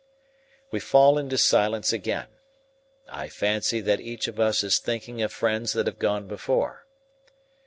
We fall into silence again. I fancy that each of us is thinking of friends that have gone before.